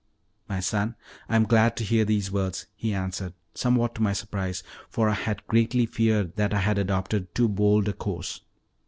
"My son, I am glad to hear these words," he answered, somewhat to my surprise, for I had greatly feared that I had adopted too bold a course.